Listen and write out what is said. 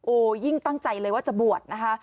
โอ้โหยิ่งตั้งใจเลยว่าจะบวชนะคะ